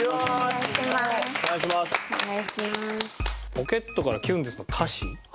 『ポケットからきゅんです！』の歌詞。